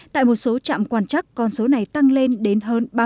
tại một số trạm quan trắc con số này tăng lên